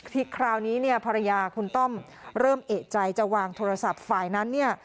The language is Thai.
คราวนี้เนี่ยภรรยาคุณต้อมเริ่มเอกใจจะวางโทรศัพท์ฝ่ายนั้นเนี่ย